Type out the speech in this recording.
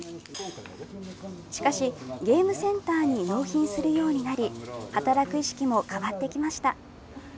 しかし、ゲームセンターに納品するようになり働く意識も変わってきました。